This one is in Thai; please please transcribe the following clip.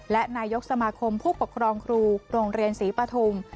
และนายกสมาคมผู้ปกครองครูโรงเรียนศรีปฐุม